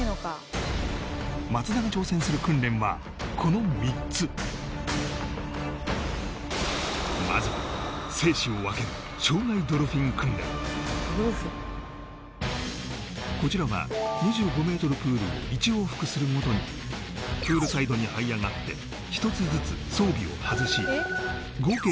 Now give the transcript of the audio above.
松田が挑戦する訓練はこの３つまずはこちらは２５ｍプールを１往復するごとにプールサイドに這い上がって１つずつ装備を外し合計